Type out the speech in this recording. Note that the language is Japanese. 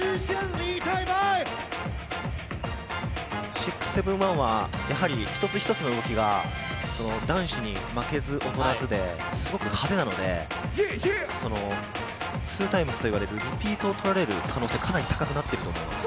６７１はやはり一つ一つの動きが男子に負けず劣らずですごく派手なので、ツータイムスと呼ばれるリピートを取られる可能性がかなり高くなっていると思います。